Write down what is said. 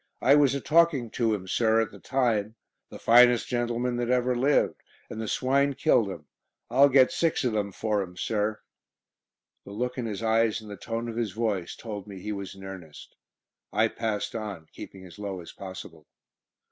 I was a talking to him, sir, at the time; the finest gentleman that ever lived; and the swine killed him. I'll get six of them for him, sir." The look in his eyes and the tone of his voice told me he was in earnest. I passed on, keeping as low as possible.